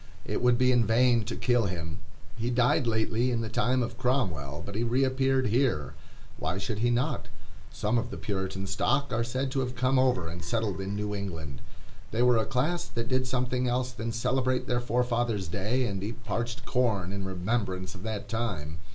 It would be in vain to kill him. He died lately in the time of Cromwell, but he reappeared here. Why should he not? Some of the Puritan stock are said to have come over and settled in New England. They were a class that did something else than celebrate their forefathers' day, and eat parched corn in remembrance of that time.